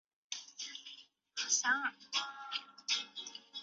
滨海阿尔日莱斯人口变化图示